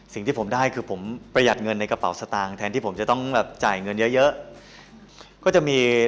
สิ่งที่ผมได้คือผมประหยัดเงินในกระเป๋าสตางค์แทนที่ผมต้องจ่ายเงินเยอะ